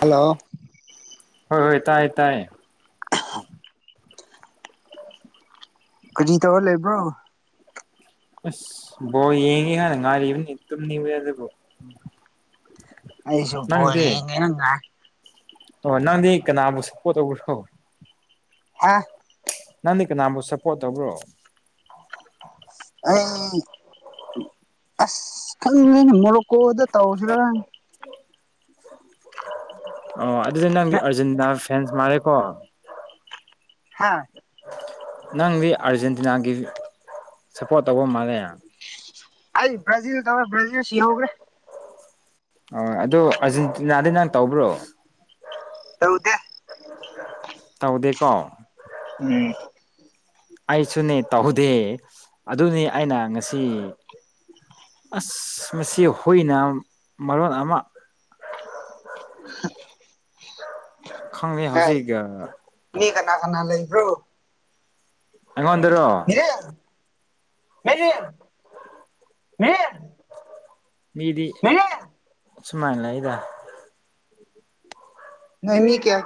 Hello ꯍꯣꯏ ꯍꯣꯏ ꯇꯥꯏꯌꯦ ꯇꯥꯏꯌꯦ [unintelligible] ꯀꯔꯤ ꯇꯧꯔ ꯂꯩꯕ꯭ꯔꯣ ꯑꯁ ꯕꯣꯜ ꯌꯦꯡꯒ‌ꯦ ꯍꯥꯏꯅꯥ ꯉꯥꯔꯤꯕꯅꯤ ꯇꯨꯝꯅꯤꯡꯂ‌ꯦ ꯑꯗꯨꯕꯨ ꯑꯩꯁꯨ ꯕꯣꯜ ꯅꯪꯗꯤ ꯌ‌ꯦꯡꯒ‌ꯦꯅꯥ ꯉꯥꯏ ꯑꯣ ꯅꯪꯗꯤ ꯀꯅꯥꯕꯨ ꯁꯄꯣꯠ ꯇꯧꯕꯔ‌ꯣ ꯑꯥ ꯅꯪꯗꯤ ꯀꯅꯥꯕꯨ ꯁꯄꯣꯔꯠ ꯇꯕ꯭ꯔꯣ ꯑꯩ ꯑꯁ ꯈꯪꯗ‌ꯦꯗꯥ ꯃ‌ꯣꯔ‌ꯣꯀꯣ ꯗꯥ ꯇꯧꯁꯤꯔꯥ ꯑꯣ ꯑꯗꯨꯗꯤ ꯅꯪꯗꯤ ꯑꯔꯖꯦꯟꯇꯤꯅꯥ ꯐꯦꯟꯁ ꯃꯥꯜꯂꯦꯀꯣ ꯍꯥꯥ ꯅꯪꯗꯤ ꯑꯥꯔꯖꯦꯟꯇꯤꯅꯥꯒꯤ ꯁꯞꯄꯣꯔꯠ ꯇꯧꯕ ꯃꯥꯜꯂꯦ ꯑꯩ ꯕ꯭ꯔꯖꯖꯤꯜ ꯇꯕꯃꯦ ꯭ꯔꯖꯖꯤꯜ ꯁꯤ ꯍꯒ꯭ꯔꯦ ꯑ ꯑꯗꯨꯗꯣ ꯑꯔꯖꯦꯟꯇꯤꯅꯥꯗꯩ ꯅꯪ ꯇꯧꯕ꯭ꯔꯣ ꯇꯧꯗꯦ ꯇꯧꯗꯦꯀꯣ ꯎꯝ ꯑꯩꯁꯨꯅꯦ ꯇꯧꯧꯗꯦ ꯑꯗꯨꯅꯤ ꯑꯩꯅ ꯉꯁꯤ ꯑꯁ ꯃꯁꯤ ꯍꯨꯏꯅ ꯃꯔꯣꯟ ꯑꯃ ꯈꯪꯉ ꯑꯦ ꯍꯧꯖꯤꯛꯒ ꯃꯤ ꯀꯅꯥ ꯀꯅꯥ ꯂꯩꯕ꯭ꯔꯣ ꯑꯩꯉꯣꯟꯗꯔꯣ ꯃ ꯃꯤꯗꯤ ꯁꯃꯥꯏ ꯂꯗ ꯅ ꯃꯤ ꯀꯌꯥꯌꯥ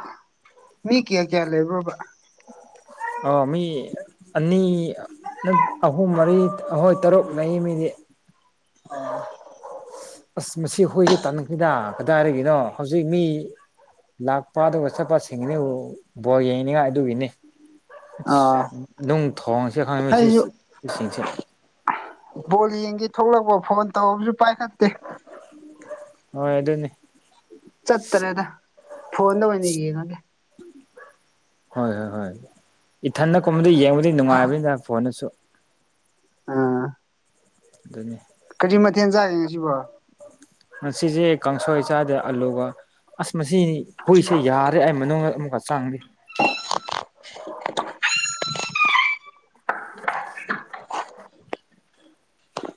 ꯃꯤ ꯀꯌꯥ ꯀꯌꯥ ꯂꯩꯕꯕꯥ ꯑ ꯃꯤ ꯑꯅꯤ ꯑꯍꯨꯝ ꯃꯔꯤ ꯑꯩꯍꯣꯏ ꯇꯔꯨꯛ ꯂꯩ ꯃꯤꯗꯤ ꯑꯣ ꯑꯁ ꯃꯁꯤ ꯑꯩꯈꯣꯏꯁꯤ ꯇꯥꯟꯅꯈꯤꯗ ꯀꯗꯥꯏꯔꯤꯒꯤꯅꯣ ꯍꯧꯖꯤꯛ ꯃꯤ ꯂꯥꯛꯄ ꯑꯗꯨꯒ ꯆꯠꯄ ꯁꯤꯡꯅꯤ ꯕꯣꯜ ꯌꯦꯡꯅꯤꯉꯥꯏ ꯑꯗꯨꯒꯤꯅꯤ ꯑꯥ ꯅꯝ ꯊꯁꯦ ꯈꯪ ꯁꯤ ꯑꯩꯁꯨ ꯏꯁꯦ ꯕꯣꯜ ꯌꯦꯡꯒꯦ ꯊꯣꯛꯂꯛꯄ ꯐꯣꯟ ꯇꯧꯕꯁꯨ ꯄꯥꯏꯈꯠꯇꯦ ꯍ ꯑꯗꯨ ꯑꯗꯨꯅꯦ ꯆꯠꯇ꯭ꯔꯦꯗ ꯐꯣꯟꯗ ꯑꯣꯏꯅ ꯌꯦꯡꯉꯒꯦ ꯍꯣꯏ ꯍꯣꯏ ꯍꯣꯏ ꯏꯊꯗ ꯀꯨꯝꯕꯗ ꯌꯦꯡꯕꯗꯤ ꯅꯨꯡꯉꯥꯏꯕꯅꯤꯗ ꯐꯣꯟꯅꯁꯨ ꯑꯥ ꯑꯗꯨꯅꯤ ꯀꯖꯤ ꯃꯊꯦꯜ ꯆꯥꯛꯏꯦ ꯉꯁꯤꯕꯣ ꯉꯁꯤꯁꯦ ꯀꯥꯡꯁꯣꯏ ꯆꯥꯗꯦ ꯑꯂꯨꯒ ꯑꯁ ꯃꯁꯤꯅꯤ ꯍꯨꯏꯁꯦ ꯌꯥꯔꯦ ꯑꯩ ꯃꯅꯨꯡꯗ ꯑꯃꯨꯛꯀ ꯆꯪꯗꯦ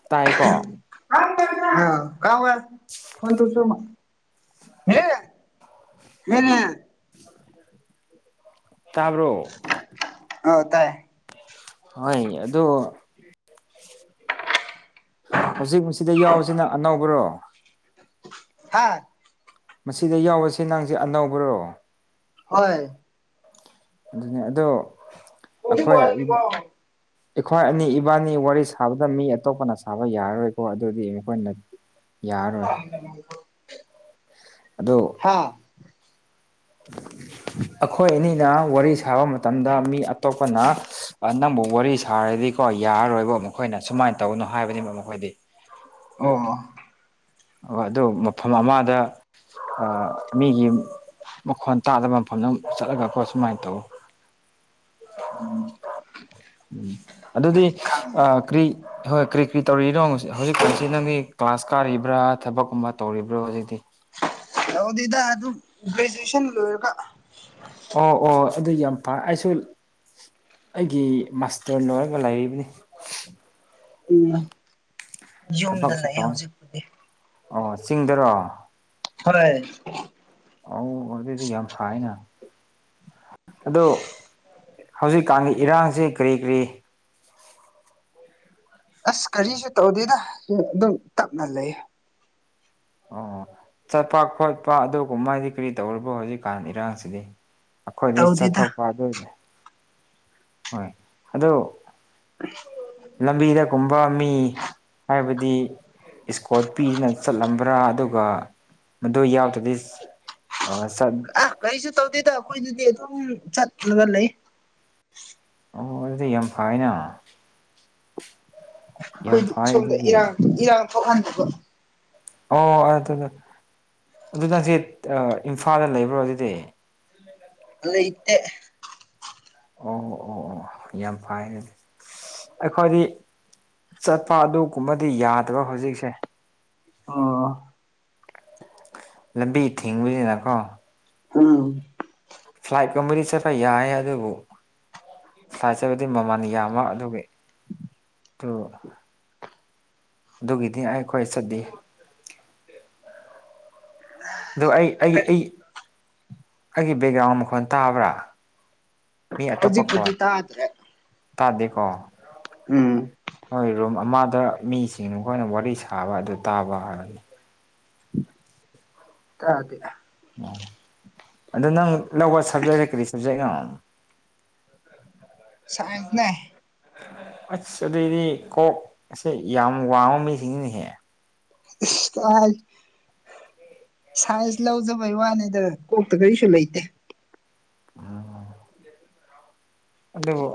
ꯇꯥꯏꯀꯣ ꯀ ꯋꯥ ꯐꯣꯟꯣꯟ ꯇꯁꯨ ꯌꯦ ꯌꯦꯅꯦ ꯍ ꯇꯥꯕ꯭ꯔꯣ ꯑꯣ ꯇꯥꯏꯌꯦ ꯍꯣꯌ ꯑꯗꯨ ꯍꯧꯖꯤꯛ ꯃꯁꯤꯗ ꯌꯥꯎꯁꯤꯅ ꯑꯅꯧꯕꯔꯣ ꯍꯥꯥ ꯃꯁꯤꯗ ꯌꯥꯎꯁ ꯅꯪꯁꯦ ꯑꯅꯧꯕ꯭ꯔꯣ ꯍꯣꯢ ꯑꯗꯨꯅꯦ ꯑꯗꯣ ꯑꯩꯈꯣꯏ ꯑꯩꯈꯣꯏ ꯑꯅꯤ ꯏꯕꯥꯅꯤ ꯋꯥꯔꯤ ꯁꯥꯕꯗ ꯃꯤ ꯑꯇꯣꯞꯄꯅ ꯁꯥꯕ ꯌꯥꯔꯔꯣꯏꯀꯣ ꯑꯗꯨꯗꯤ ꯑꯩꯈꯣꯏꯅ [inaudible] [unintelligible] ꯑꯗꯣ ꯍꯥꯥ [inaudible] [unintelligible] ꯑꯩꯈꯣꯏ ꯑꯅꯤꯅ ꯋꯥꯔꯤ ꯁꯥꯕ ꯃꯇꯝꯗ ꯃꯤ ꯑꯇꯣꯞꯄꯅ ꯑꯅꯕꯨ ꯋꯥꯔꯤ ꯁꯥꯔꯗꯤꯣ ꯀꯣ ꯌꯥꯔꯣꯏꯕꯣ ꯃꯈꯣꯏꯅ ꯁꯨꯃꯥꯏꯅ ꯇꯧꯅꯣ ꯍꯥꯏꯕꯅꯤꯕ ꯃꯈꯣꯏꯗꯤ ꯑꯣ ꯑꫭ ꯑꯗꯨ ꯃꯐꯝ ꯑꯃꯗ ꯑ ꯃꯤꯒꯤ ꯃꯈꯣꯟ ꯇꯥꯗꯕ ꯃꯐꯝꯗꯣ ꯆꯠꯂꯒꯀꯣ ꯁꯨꯃꯥꯏꯅ ꯇꯧꯋ ꯎꯝ ꯎꯝ ꯑꯗꯨꯗꯤ ꯑ ꯀ꯭ꯔꯤ ꯍꯣꯏ ꯀꯔꯤ ꯀꯔꯤ ꯇꯧꯔꯤꯅꯣ ꯍꯧꯖꯤꯛ ꯀꯥꯎꯁꯤ ꯅꯪꯒꯤ ꯀ꯭ꯂꯥꯁ ꯀꯥꯔꯤꯕ꯭ꯔꯥ ꯊꯕꯛꯀꯨꯝꯕ ꯇꯧꯔꯤꯕ꯭ꯔꯣ ꯍꯧꯖꯤꯛꯇꯤ ꯂꫭꯏꯗꯔꯤꯗ ꯑꯗꯨꯝ ꯒ꯭ꯔꯦꯖꯨꯑꯦꯁꯟ ꯂꯣꯏꯔꯒ ꯑꯣ ꯑꯣ ꯑꯗꯨ ꯌꯥꯝ ꯐ ꯑꯩꯁꯨ ꯑꯩꯒꯤ ꯃꯥꯁꯇꯔ ꯂꯣꯏꯔꯒ ꯂꯩꯕꯅꯤ ꯎꯝ ꯌꯨꯝꯗ ꯊꯕꯛꯁꯨ ꯂꯩꯌꯦ ꯇꯧ ꯍꯧꯖꯤꯛꯄꯨꯗꯤ ꯑꯣ ꯆꯤꯡꯗꯔꯣ ꯍꯔꯦ ꯑꯧ ꯑꯗꯨꯏꯗꯤ ꯌꯥꯝ ꯊꯥꯏꯅ ꯑꯗꯣ ꯍꯧꯖꯤꯛꯀꯥꯟꯒꯤ ꯏꯔꯥꯡꯁ ꯀꯔꯤ ꯀꯔꯤ ꯑꯁ ꯀꯔꯤꯁꯨ ꯇꯧꯗꯦꯗ ꯑꯗꯨꯝ ꯇꯞꯅ ꯂꯩ ꯑꯣ ꯆꯠꯄ ꯈꯣꯠꯄ ꯑꯗꯨꯒꯨꯝꯕ ꯍꯥꯏꯗꯤ ꯀꯔꯤ ꯇꯧꯔꯤꯕꯣ ꯍꯧꯖꯤꯛꯀꯥꯟ ꯏꯔꯥꯡꯁꯤꯗꯤ ꯑꯩꯈꯣꯏꯗꯤ ꯇꯧꯗꯦꯗ ꯆꯠꯊꯣꯛꯄ ꯑꯗꯨꯏꯅꯦ ꯍꯣꯏ ꯑꯗꯣ ꯑ [unintelligible] ꯂꯝꯕꯤꯗꯒꯨꯝꯕ ꯃꯤ ꯍꯥꯏꯕꯗꯤ ꯏꯁꯀꯣꯔꯠ ꯄꯤꯗꯨꯅ ꯆꯠꯂꯝꯕ꯭ꯔꯥ ꯑꯗꯨꯒ ꯃꯗꯨ ꯌꯥꯎꯗ꯭ꯔꯗꯤ ꯑ ꯑ ꯀꯒꯥꯔꯤꯁꯨ ꯇꯧꯗꯦꯗ ꯑꯩꯈꯣꯏꯗꯨꯗꯤ ꯑꯗꯨꯝ ꯆꯠꯂꯒ ꯂꯩ ꯑꯣ ꯑꯗꯨꯗꯤ ꯌꯥꯝ ꯐꯩꯅ ꯌꯥꯝ ꯑꯩꯈꯣꯏꯗꯤ ꯐꯩ ꯁꯣꯝꯗ ꯑꯗꯨꯗꯤ ꯏꯔꯥꯡ ꯏꯔꯥꯡ ꯊꯣꯛꯍꯟꯗꯕ ꯑꯣ ꯑꯗꯨ ꯑꯗꯨ ꯅꯪꯁꯦ ꯏꯝꯐꯥꯜꯗ ꯂꯩꯕ꯭ꯔꯣ ꯑꯗꯨꯗꯤ [unintelligible] ꯂꯩꯇꯦ ꯑꯣ ꯑꯣ ꯑꯣ ꯑꯣ ꯌꯥꯝ ꯐꯩꯅꯦ ꯑꯩꯈꯣꯏꯗꯤ ꯆꯠꯄ ꯑꯗꯨꯒꯨꯝꯕꯗꯤ ꯌꯥꯗꯕ ꯍꯧꯖꯤꯛꯁꯦ ꯑꯣ ꯂꯝꯕꯤ ꯊꯤꯡꯕꯅꯤꯅꯀꯣ ꯎꯝ ꯐ꯭ꯂꯥꯏꯠꯀꯨꯝꯕꯗꯤ ꯆꯠꯄ ꯌꯥꯏ ꯑꯗꯨꯕꯨ ꯐ꯭ꯂꯥꯏꯠ ꯆꯠꯄꯗꯤ ꯃꯃꯜ ꯌꯥꯝꯕ ꯑꯗꯨꯒꯤ ꯇꫭ ꯑꯗꯨꯒꯤꯗꯤ ꯑꯩꯈꯣꯏ ꯆꯠꯗꯦ ꯑꯣ ꯑꯩ ꯑꯩꯒꯤ ꯀꯔꯤ ꯑꯩ ꯑꯩꯒꯤ ꯕꯦꯛꯒ꯭ꯔꯥꯎꯟ ꯃꯈꯣꯟ ꯇꯥꯕ꯭ꯔꯥ ꯃꯤ ꯑꯇꯣꯞꯄ ꯍꯧꯖꯤꯛꯄꯨꯗꯤ ꯈꯣꯟ ꯇꯥꯗ꯭ꯔꯦ ꯇꯥꯗꯦꯀꯣ ꯎꯝ ꯍꯣꯏ ꯔꯨꯝ ꯑꯃꯗ ꯃꯤꯁꯤꯡꯅ ꯃꯈꯣꯏꯅ ꯋꯥꯔꯤ ꯁꯥꯕ ꯑꯗꯨ ꯇꯥꯕ ꯍꯥꯏꯔꯅꯤ ꯇꯥꯗꯦ ꯑꯣ ꯑꯗꯣ ꯅꯪ ꯂꯧꯕ ꯁꯕꯖꯦꯛꯔ ꯀꯔꯤ ꯁꯕꯖꯦꯛ ꯅꫭ ꯁꯥꯏꯟꯁꯅꯦ ꯑꯁ ꯑꯗꯨꯏꯗꯤ ꯀꯣꯛꯁꯦ ꯌꯥꯝ ꯋꯥꯡꯕ ꯃꯤꯁꯤꯡꯅꯤꯅꯦꯍꯦ ꯏꯁ ꯀꯔꯥꯏ ꯁꯥꯏꯁꯟ ꯂꯧꯖꯕꯩ ꯋꯥꯅꯤꯗ ꯀꯣꯛꯇ ꯀꯔꯤꯁꯨ ꯂꯩꯇꯦ ꯎꯝ ꯑꯗꯨꯕꯨ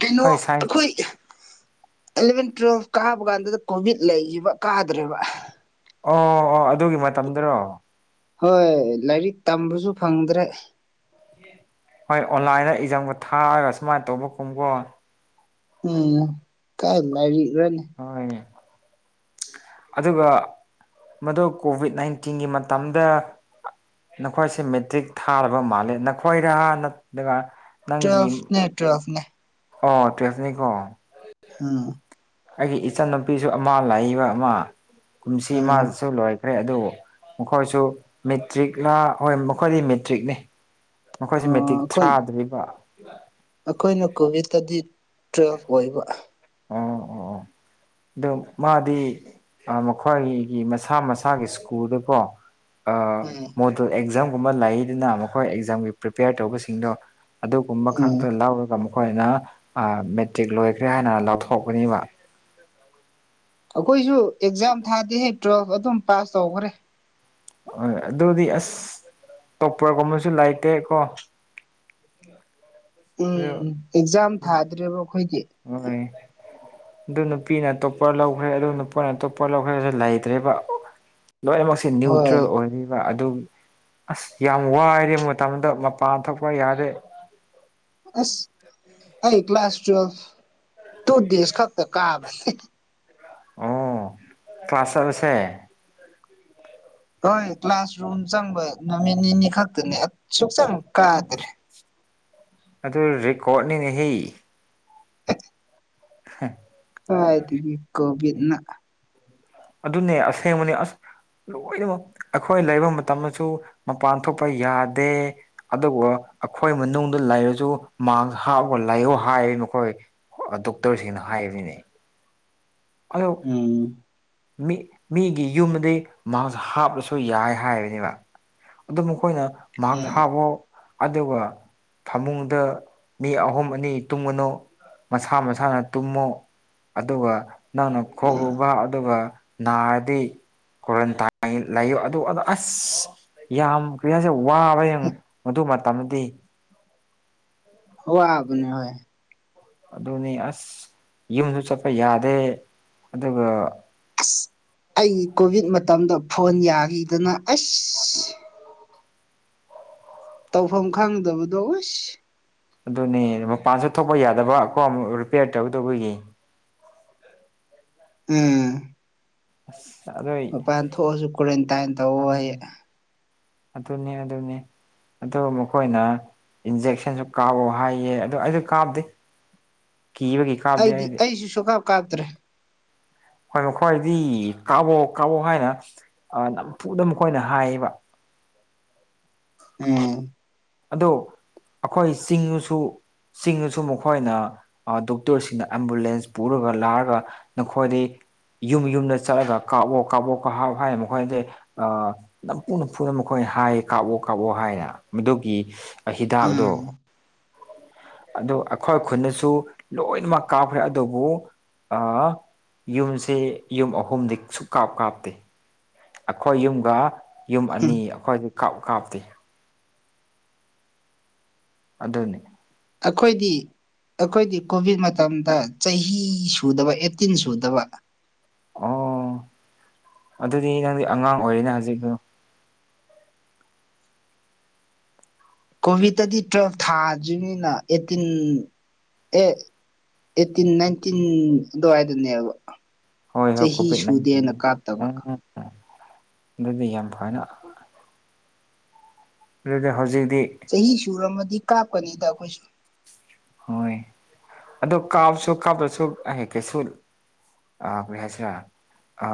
ꯀꯩꯅꯣ ꯍꯣꯏ ꯁꯥꯏꯟꯁ ꯑꯩꯈꯣꯏ ꯑꯦꯂꯚꯦꯟ ꯇꯨꯋꯦꯞ ꯀꯥꯕ ꯀꯥꯟꯗꯨꯗ ꯀꯣꯚꯤꯠ ꯂꯩꯈꯤꯕ ꯀꯥꯗ꯭ꯔꯦꯕ ꯑꯣ ꯑꯣ ꯑꯗꯨꯒꯤ ꯃꯇꯝꯗꯔꯣ ꯍꯣꯏ ꯂꯥꯏꯔꯤꯛ ꯇꯝꯕꯁꯨ ꯐꯪꯗ꯭ꯔꯦ ꯍꯣꯏ ꯑꯣꯟꯂꯥꯏꯟꯗ ꯏꯖꯥꯝꯒ ꯊꯥꯔꯒ ꯁꯨꯃꯥꯏꯅ ꯇꯧꯕ ꯀꯨꯝꯕꯣ ꯎꯝ ꯀꯥꯏ ꯂꯩꯔꯅꯤ ꯍꯣꯏꯅꯤ ꯑꯗꯨꯒ ꯃꯗꯨ ꯀꯣꯚꯤꯠ ꯅꯥꯏꯟꯇꯤꯟꯒꯤ ꯃꯇꯝꯗ ꯅꯈꯣꯏꯁꯦ ꯃꯦꯇ꯭ꯔꯤꯛ ꯊꯥꯔꯕ ꯃꯥꯜꯂꯦ ꯅꯈꯣꯏꯔ ꯅꯠꯇ꯭ꯔꯒ ꯅꯪꯒꯤ ꯇꯨꯋꯦꯜꯐꯅꯦ ꯇꯨꯋꯦꯜꯐꯅꯦ ꯑꯣ ꯇ꯭ꯋꯦꯐꯅꯤꯀꯣ ꯎꯝ ꯑꯩꯒꯤ ꯏꯆꯟꯅꯨꯄꯤꯁꯨ ꯑꯃ ꯂꯩꯕ ꯑꯃ ꯀꯨꯝꯁꯤ ꯎꯝ ꯃꯥꯁꯨ ꯂꯣꯏ ꯀꯔꯦ ꯑꯗꯨ ꯃꯈꯣꯏꯁꯨ ꯃꯦꯇ꯭ꯔꯤꯛꯂ ꯍꯣꯏ ꯃꯈꯣꯏꯗꯤ ꯃꯦꯇ꯭ꯔꯤꯛꯅꯤ ꯃꯈꯣꯏꯁꯤ ꯃꯦꯇ꯭ꯔꯤꯛ ꯊ꯭ꯔꯥꯗ꯭ꯔꯤꯕ ꯑꯈꯣꯏꯅ ꯀꯣꯚꯤꯠꯇꯗꯤ ꯇꯨꯋꯦꯜꯐ ꯑꯣꯏꯕ ꯑꯣ ꯑꯣ ꯑꯣ ꯑꯗꯣ ꯃꯥꯗꯤ ꯃꯈꯣꯏꯒꯤ ꯃꯁꯥ ꯃꯁꯥꯒꯤ ꯁ꯭ꯀꯨꯜꯗꯀꯣ ꯑꯥ ꯎꯝ ꯃꯣꯗꯜ ꯑꯦꯛꯖꯥꯝꯒꯨꯝꯕꯂꯩꯗꯅ ꯃꯈꯣꯏ ꯑꯦꯛꯖꯥꯝꯒꯤ ꯄ꯭ꯔꯤꯄꯦꯌꯔ ꯇꯧꯕꯁꯤꯡꯗꯣ ꯑꯗꯨꯒꯨꯝꯕ ꯎꯝ ꯈꯛꯇ ꯂꯧꯔꯒ ꯃꯈꯣꯏꯅ ꯃꯦꯇ꯭ꯔꯤꯛ ꯂꯣꯏꯈ꯭ꯔꯦ ꯍꯥꯏꯅ ꯂꯧꯊꯣꯛꯀꯅꯤꯕ ꯑꯩꯈꯣꯏꯁꯨ ꯑꯦꯛꯖꯥꯝ ꯊꯥꯗꯦꯍꯦ ꯇꯨꯋꯦꯜꯐ ꯑꯗꯨꯝ ꯄꯥꯁ ꯇꯧꯈ꯭ꯔꯦ ꯍꯣꯏ ꯑꯗꯨꯗꯤ ꯑꯁ ꯇꯣꯛꯄꯒꯨꯝꯕꯁꯨ ꯂꯩꯥꯇꯦ ꯀꯣ [unintelligible] ꯎꯝ ꯑꯦꯛꯖꯥꯝ ꯊꯥꯗ꯭ꯔꯦꯕ ꯑꯩꯈꯣꯏꯒꯤ ꯍꯣꯏ ꯑꯗꯨ ꯅꯨꯄꯤꯅ ꯇꯣꯞꯄꯔ ꯂꯧꯈ꯭ꯔꯦ ꯑꯗꯨ ꯅꯨꯄꯥꯅ ꯇꯣꯞꯄꯔ ꯂꯧꯈ꯭ꯔꯦꯁꯨ ꯂꯩꯇ꯭ꯔꯦꯕ ꯂꯣꯏꯅꯃꯛꯁꯤ ꯅ꯭ꯌꯨꯇ꯭ꯔꯦꯜ ꯍꯣꯏ ꯑꯣꯏꯔꯤꯕ ꯑꯗꯨ ꯑꯁ ꯌꯥꯝ ꯋꯥꯏꯔꯦ ꯃꯇꯝꯗꯣ ꯃꯄꯥꯟ ꯊꯣꯛꯛꯄ ꯌꯥꯗ꯭ꯔꯦ ꯑꯁ ꯑꯩ ꯀ꯭ꯂꯥꯁ ꯇꯨꯋꯦꯜꯐ ꯇꯨ ꯗꯦꯖ ꯈꯛꯇ ꯀꯥꯕꯅꯦ ꯑꯣ ꯀꯂ꯭ꯥꯁ ꯆꯠꯂꯁꯦ ꯍꯣꯏ ꯀ꯭ꯂꯥꯁꯔꯨꯝ ꯆꯪꯕ ꯅꯨꯃꯤꯠ ꯅꯤꯅꯤ ꯈꯛꯇꯅꯦ ꯁꯨꯛꯆꯪ ꯀꯥꯗ꯭ꯔꯦ ꯑꯗꯨ ꯔꯦꯀꯣꯔꯗꯅꯤꯅꯦꯍꯦ ꯍꯥ ꯀꯥꯏꯗꯒꯤ ꯀꯣꯚꯤꯠꯅ ꯑꯗꯨꯅꯦ ꯑꯁꯦꯡꯕꯅꯤ ꯑꯁ ꯂꯣꯏꯅꯃꯛ ꯑꯩꯈꯣꯏ ꯂꯩꯔꯂꯕ ꯃꯇꯝꯗꯁꯨ ꯃꯄꯥꯟ ꯊꯣꯛꯄ ꯌꯥꯗꯦ ꯑꯗꯨꯕꯨ ꯑꯩꯈꯣꯏ ꯃꯅꯨꯡꯗ ꯂꯩꯔꯁꯨ ꯃꯥꯛꯁ ꯍꯥꯞꯒ ꯂꯩꯌꯑꯣ ꯍꯥꯏ ꯃꯈꯣꯏ ꯗꯣꯛꯇꯔꯁꯤꯡꯅ ꯍꯥꯏꯔꯤꯅꯦ ꯑꯗꯣ ꯎꯝ ꯃꯤ ꯃꯤꯒꯤ ꯌꯨꯝꯗꯒꯤꯩ ꯃꯁ ꯍꯥꯞꯔꯁꯨ ꯌꯥꯏ ꯍꯥꯏꯕꯅꯦꯕ ꯑꯗꯨ ꯃꯈꯣꯏꯅ ꯃꯥꯛꯁ ꯎꯝ ꯍꯥꯞꯔꯣ ꯑꯗꯨꯒ ꯐꯃꯨꯡꯗ ꯃꯤ ꯑꯍꯨꯝ ꯑꯅꯤ ꯇꯨꯝꯒꯅꯨ ꯃꯁꯥ ꯃꯁꯥꯅ ꯇꯨꯝꯃꯨ ꯑꯗꯨꯒ ꯅꯪꯅ ꯈꯣꯛꯂꯨꯕ ꯑꯗꯨꯒ ꯅꯥꯔꯗꯤ ꯀ꯭ꯋꯥꯔꯟꯇꯥꯏꯟ ꯂꯩꯌꯨ ꯑꯗꯨ ꯑꯗꯥꯥ ꯑꯁ ꯌꯥꯝ ꯀ꯭ꯔꯤꯍꯥꯏꯁꯤꯔꯥ ꯋꯥꯕ ꯌꯥꯝ ꯑꯗꯨ ꯃꯇꯝꯗꯤ ꯋꯥꯕꯅꯤ ꯍꯣꯏ꯫ ꯑꯗꯨꯅꯤ ꯑꯁ ꯌꯨꯝꯁꯨ ꯆꯠꯄ ꯌꯥꯗꯦ ꯑꯗꯨꯒ ꯑꯁ ꯑꯩ ꯀꯣꯚꯤꯠ ꯃꯇꯝꯗꯣ ꯐꯣꯟ ꯌꯥꯈꯤꯗꯅ ꯑꯁ ꯇꯧꯐꯝ ꯈꯪꯗꯕꯗꯣ ꯑꯣꯁ ꯑꯗꯨꯅꯦ ꯃꯄꯥꯟꯁꯨ ꯊꯣꯛꯄ ꯌꯥꯗꯕ ꯀꯣ [unintelligible] ꯔꯤꯄꯤꯦꯌꯔ ꯇꯧꯗꯧꯕꯒꯤ ꯎꯝ ꯑꯁ ꯑꯗꯨꯏ ꯃꯄꯥꯟ ꯊꯣꯛꯑꯁꯨ ꯀꯣꯔꯦꯟꯇꯥꯏꯟ ꯇꯧ ꯑꯩ ꯌꯦ ꯑꯗꯨꯅꯦ ꯑꯗꯨꯅꯦ ꯑꯗꯨ ꯃꯈꯣꯏꯅ ꯏꯟꯖꯦꯛꯁꯟꯁꯨ ꯀꯥꯎꯑꯣ ꯍꯥꯏꯌꯦ ꯑꯗꯨ ꯑꯩꯗꯨ ꯀꯥꯞꯗꯦ ꯀꯤꯕꯒꯤ ꯑꯩꯗꯤ ꯑꯩꯁꯨ ꯁꯨꯀꯥꯞ ꯀꯥꯞꯇ꯭ꯔꯦ ꯍꯣꯏ ꯃꯈꯣꯏꯗꯤ ꯀꯥꯕꯣꯛ ꯀꯥꯕꯣꯛ ꯍꯥꯏꯅ ꯅꯝꯐꯨꯗ ꯃꯈꯣꯏꯅ ꯍꯥꯏꯌꯦꯕ ꯎꯝ ꯑꯗꯨꯣ ꯑꯩꯈꯣꯏ ꯆꯤꯡꯉꯨꯁꯨ ꯆꯤꯡꯉꯨꯁꯨ ꯃꯈꯣꯏꯅ ꯗꯣꯛꯇꯔꯁꯤꯡꯅ ꯑꯦꯝꯕꯨꯂꯦꯟꯁ ꯄꯨꯔꯒ ꯂꯥꯛꯑꯒ ꯅꯈꯣꯏꯗꯩ ꯌꯨꯝ ꯌꯨꯝꯗ ꯆꯠꯂꯒ ꯀꯥꯞꯑꯣ ꯀꯥꯞꯑꯣ ꯀꯥꯞꯍꯥꯎ ꯍꯥꯏ ꯃꯈꯣꯏꯗꯤ ꯑ ꯅꯝꯐꯨ ꯅꯝꯐꯨꯅ ꯃꯈꯣꯏꯅ ꯍꯥꯏ ꯀꯥꯞꯑꯣ ꯀꯥꯞꯑꯣ ꯍꯥꯏꯅ ꯃꯗꯨ ꯏ ꯑ ꯍꯤꯗꯥꯛꯗꯣ ꯎꯝ ꯑꯗꯨ ꯑꯩꯈꯣꯏ ꯈꯨꯜꯗꯁꯨ ꯂꯣꯏꯅꯃꯛ ꯀꯥꯞꯈ꯭ꯔꯦ ꯑꯗꯨꯕꯨ ꯑꯥ ꯌꯨꯝꯁꯦ ꯌꯨꯝ ꯑꯍꯨꯝꯗꯤ ꯁꯨꯛ ꯀꯥꯞ ꯀꯥꯞꯇꯦ ꯑꯩꯈꯣꯏ ꯌꯨꯝꯒ ꯌꯨꯝ ꯑꯅꯤ ꯑꯩꯈꯣꯏꯗꯤ ꯀꯥꯞ ꯀꯥꯞꯇꯦ ꯑꯗꯨꯅꯤ ꯑꯩꯈꯣꯏꯗꯤ ꯑꯩꯈꯣꯏꯗꯤ ꯀꯣꯚꯤꯗ ꯃꯇꯝꯗ ꯆꯍꯤ ꯁꯨꯗꯕ ꯑꯦꯠꯇꯤꯟ ꯁꯨꯗꯕ ꯑꯣ ꯑꯗꯨꯗꯤ ꯅꯪꯗꯤ ꯑꯉꯥꯡ ꯑꯣꯏꯔꯤꯅ ꯍꯧꯖꯤꯗꯨ ꯀꯣꯚꯤꯠꯇꯗꯤ ꯇꯨꯋꯦꯜꯐ ꯊꯥꯗ꯭ꯔꯤꯝꯅꯤꯅ ꯑꯦꯠꯇꯤꯟ ꯑꯦ ꯑꯩꯠꯇꯤꯟ ꯅꯥꯏꯟꯇꯤꯟ ꯑꯗꯨꯋꯥꯏꯗꯅꯦꯕ ꯍꯣꯏ ꯍꯣꯏ ꯆꯍꯤ ꯀꯣꯚꯤꯠ ꯁꯨꯗꯦꯅ ꯅꯥꯏꯟꯇꯤꯟ ꯀꯥꯞꯇꯕ ꯎꯝ ꯑꯗꯨꯗꯤ ꯌꯥꯝ ꯐꯅ ꯑꯗꯨꯗꯤ ꯍꯧꯖꯤꯗꯤ ꯆꯍꯤ ꯁꯨꯔꯃꯗꯤ ꯀꯥꯞꯀꯅꯤꯗ ꯑꯩꯈꯣꯏꯁꯨ ꯍꯣꯏ ꯑꯗꯣ ꯀꯥꯞꯁꯨ ꯀꯥꯞꯗꯁꯨ ꯑꯍꯩ ꯀꯩꯁꯨ ꯑ ꯀꯔꯤ ꯍꯥꯏꯁꯤꯔꯥ ꯑ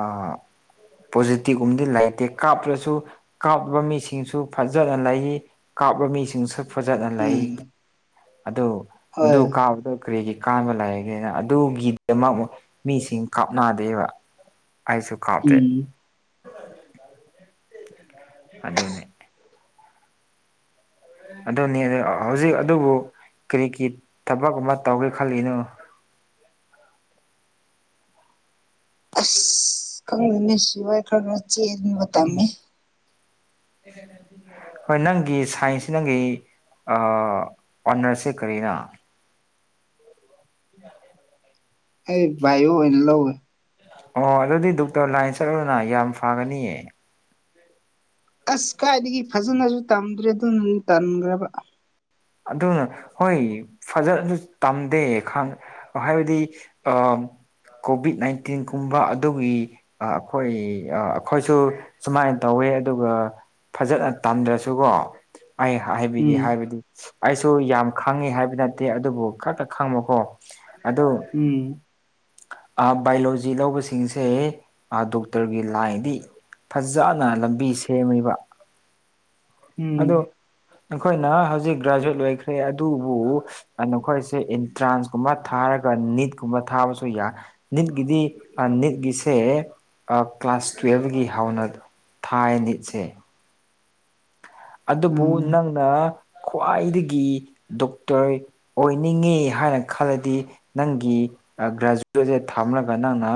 ꯄꯣꯖꯤꯇꯤꯕ ꯒꯨꯝꯕꯗꯤ ꯂꯩꯇꯦ ꯀꯥꯞꯇ꯭ꯔꯁꯨ ꯀꯥꯞꯄꯕ ꯃꯤꯁꯤꯡꯁꯨ ꯐꯖꯅ ꯂꯩ ꯀꯥꯞꯂ ꯃꯤꯁꯤꯡꯁꯨ ꯐꯖꯅ ꯂꯩ ꯎꯝ ꯑꯗꯨ ꯃꯗꯨ ꯍꯣꯏ ꯀꯥꯕꯗꯣ ꯀꯔꯤꯒꯤ ꯀꯥꯟꯕ ꯂꯥꯏꯒꯦꯅ ꯑꯗꯨꯒꯤꯗꯃꯛ [unintelligible] ꯃꯤꯁꯤꯡ ꯀꯥꯞꯅꯗꯦꯕ ꯑꯩꯁꯨ ꯀꯥꯞꯇꯦ ꯎꯝ ꯑꯗꯨꯅꯦ ꯑꯗꯨꯅꯤ ꯑ ꯍꯧꯖꯤꯛ ꯑꯗꯨꯕꯨ ꯀꯔꯤ ꯀꯔꯤ ꯊꯕꯛ ꯑꯃ ꯇꯧꯒꯦ ꯈꯜꯂꯤꯅꯣ ꯑꯁ ꯈꯪꯗꯦꯅꯦ ꯁꯤ ꯐꯥꯏ ꯈꯔ ꯈꯔ ꯆꯦꯟꯕ ꯇꯝꯃꯤ [unintelligible] ꯍꯣꯏ ꯅꯪꯒꯤ ꯁꯥꯏꯟꯁꯁꯤ ꯅꯪꯒꯤ ꯑ ꯑꯣꯅꯔꯁꯁꯦ ꯀꯔꯤꯔ [unintelligible] ꯑꯦ ꯕꯥꯏ ꯑ ꯑꯣꯏꯅ ꯂꯧꯋꯦ ꯑꯣ ꯑꯗꯨꯗꯤ ꯗꯣꯛꯇꯔ ꯂꯥꯏꯟ ꯆꯠꯂꯨꯗꯅ ꯌꯥꯝ ꯐꯒꯅꯤꯌꯦ ꯑꯁ ꯀꯥꯏꯏꯗꯒꯤ ꯐꯖꯅꯁꯨ ꯇꯝꯗ꯭ꯔꯦ ꯑꯗꯨꯅ ꯇꯟꯈ꯭ꯔꯕ ꯑꯗꯨꯅ ꯍꯣꯏ ꯐꯖꯅꯁꯨ ꯇꯝꯗꯦ ꯈꯪ ꯍꯥꯏꯕꯗꯤ ꯑ ꯀꯣꯚꯤꯠ ꯅꯥꯏꯟꯇꯤꯟꯒꯨꯝꯕ ꯑꯗꯨꯒꯤ ꯑ ꯑꯩꯈꯣꯏ ꯑ ꯑꯩꯈꯣꯏꯁꯨ ꯁꯨꯃꯥꯏꯅ ꯇꯧꯋꯦ ꯑꯗꯨꯒ ꯐꯖꯅ ꯇꯟꯗ꯭ꯔꯁꯨꯀꯣ ꯑꯩ ꯍꯥꯏꯕꯤꯒꯦ ꯎꯝ ꯍꯥꯏꯕꯗꯤ ꯑꯩꯁꯨ ꯌꯥꯝ ꯈꯪꯉꯤ ꯍꯥꯏꯕ ꯅꯠꯇꯦ ꯑꯗꯨꯕꯨ ꯈꯔꯈꯛ ꯈꯪꯕꯀꯣ ꯑꯗꯨ ꯎꯝ ꯕꯥꯏꯑꯣꯂꯣꯖꯤ ꯂꯧꯕꯁꯤꯡꯁꯦ ꯗꯣꯛꯇꯔꯒꯤ ꯂꯥꯏꯟꯗꯤ ꯐꯖꯅ ꯂꯝꯕꯤ ꯁꯦꯝꯃꯤꯕ ꯎꯝ ꯑꯗꯣ ꯑꯩꯈꯣꯏꯅ ꯍꯧꯖꯤꯛ ꯒ꯭ꯔꯦꯖꯨꯋꯦꯠ ꯂꯣꯏꯈ꯭ꯔꯦ ꯑꯗꯨꯕꯨ ꯅꯈꯣꯏꯁꯦ ꯑꯦꯟꯇ꯭ꯔꯥꯟꯁꯀꯨꯝꯕ ꯊꯥꯔꯒ ꯅꯤꯠꯀꯨꯝꯕ ꯊꯥꯕꯁꯨ ꯌꯥꯏ ꯅꯤꯠꯀꯤꯗꯤ ꯅꯤꯠꯀꯤꯁꯦ ꯀ꯭ꯂꯥꯁ ꯇꯨꯋꯦꯜꯕꯒꯤ ꯍꯧꯥꯎꯅꯗꯣ ꯊꯥꯏ ꯑꯅꯤꯁꯦ ꯑꯗꯨꯕꯨ ꯎꯝ ꯅꯪꯅ ꯈ꯭ꯋꯥꯏꯗꯒꯤ ꯗꯣꯛꯇꯔ ꯑꯣꯏꯅꯤꯡꯉꯤ ꯍꯥꯏꯅ ꯈꯜꯂꯗꯤ ꯅꯪꯒꯤ ꯒ꯭ꯔꯦꯖꯨꯋꯦꯠꯁꯦ ꯊꯝꯂꯒ ꯅꯪꯅ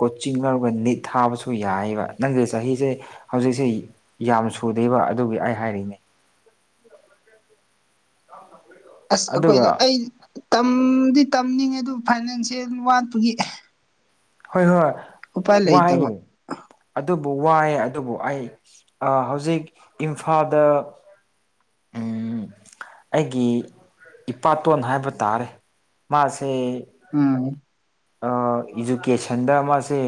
ꯀꯣꯆꯤꯡ ꯂꯧꯔꯒ ꯅꯤꯠ ꯊꯥꯕꯁꯨ ꯌꯥꯏꯑꯕ ꯅꯪꯁꯦ ꯆꯍꯤꯁꯦ ꯍꯧꯖꯤꯛꯁꯦ ꯌꯥꯝ ꯁꯨꯗꯦꯕ ꯑꯗꯨꯒꯤ ꯑꯩ ꯍꯥꯏꯔꯤꯅꯦ ꯑꯁ ꯑꯗꯨꯒ ꯑꯩꯈꯣꯏꯗꯣ ꯑꯩ ꯇꯝꯗꯤ ꯇꯝꯅꯤꯡꯉꯦ ꯑꯗꯨ ꯐꯥꯏꯅꯥꯟꯁꯤꯌꯦꯜ ꯋꯥꯠꯄꯒꯤ ꯍꯣꯏ ꯍꯣꯏ ꯎꯄꯥꯏ ꯋꯥ ꯂꯩꯇꯕ ꯍꯥꯏꯅꯦ ꯑꯗꯨꯕꯨ ꯋꯥꯏꯑꯦ ꯑꯗꯨꯕꯨ ꯑꯩ ꯍꯧꯖꯤꯛ ꯏꯝꯐꯥꯜꯗ ꯎꯝ ꯑꯩꯒꯤ ꯏꯄꯥꯇꯣꯟ ꯍꯥꯏꯕ ꯇꯥꯔꯦ ꯃꯥꯁꯦ ꯎꯝ ꯏꯗꯨꯨꯀꯦꯁꯟꯗ ꯃꯥꯁꯤꯦ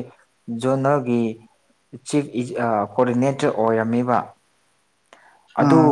ꯖꯣꯟꯅꯒꯤ ꯆꯤꯐ ꯀꯣꯑꯣꯗꯤꯅꯦꯇꯔ ꯑꯣꯏꯔꯝꯃꯤꯕ ꯑꯗꯨ ꯑꯥ